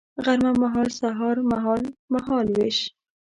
غرمه مهال سهار مهال ، مهال ویش